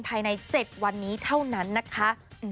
ภายใน๗วันนี้เท่านั้นนะคะ